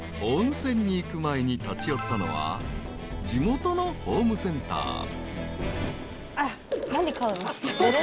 ［温泉に行く前に立ち寄ったのは地元のホームセンター］